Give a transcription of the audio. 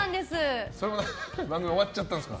その番組終わっちゃったんですね。